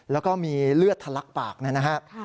แล้วก็มีเลือดทะลักปากนะครับ